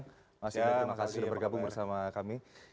selamat siang terima kasih sudah bergabung bersama kami